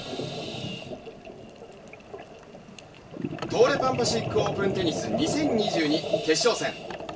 東レパンパシフィックオープンテニス２０２２、決勝戦。